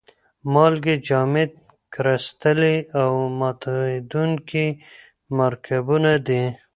مالګې جامد کرستلي او ماتیدونکي مرکبونه دي.